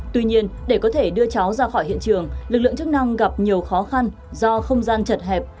tuy nhiên để có thể đưa cháu ra khỏi hiện trường lực lượng chức năng gặp nhiều khó khăn do không gian chật hẹp